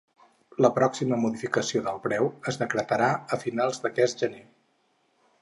La pròxima modificació del preu es decretarà a finals d’aquest gener.